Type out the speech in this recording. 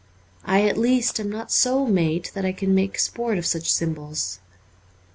I at least am not so made that I can make sport of such symbols.